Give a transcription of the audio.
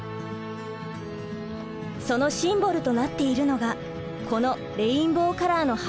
そのシンボルとなっているのがこのレインボーカラーの旗。